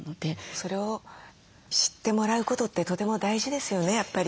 それを知ってもらうことってとても大事ですよねやっぱり。